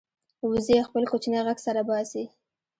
وزې خپل کوچنی غږ سره باسي